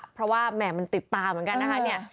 เพราะว่าแหม่มันติดตาเหมือนกันนะคะเนี่ย